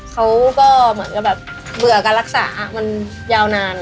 เขาก็เหมือนกับแบบเบื่อการรักษามันยาวนาน